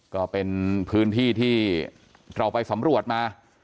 ก็เป็นพื้นที่ที่เราไปสำรวจมา